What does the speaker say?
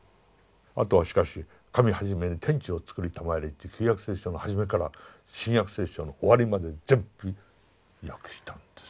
あとはしかし神はじめに天地を作りたまえりって「旧約聖書」の初めから「新約聖書」の終わりまで全部訳したんです。